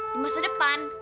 di masa depan